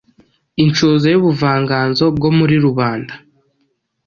Inshoza y’ubuvanganzo bwo muri rubanda